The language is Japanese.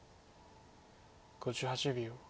５８秒。